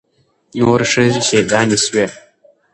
نورې ښځې شهيدانې سوې.